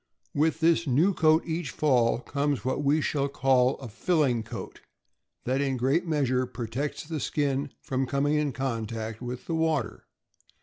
With this new coat each fall comes what we shall call a filling coat, that in a great measure protects the skin from coming in contact with the water.